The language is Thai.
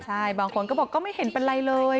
ใช่บางคนก็บอกก็ไม่เห็นเป็นไรเลย